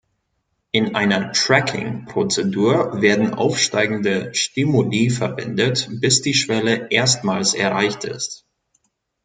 In einer "tracking"-Prozedur werden aufsteigende Stimuli verwendet, bis die Schwelle erstmals erreicht ist.